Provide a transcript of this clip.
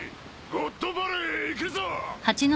ゴッドバレーへ行くぞ！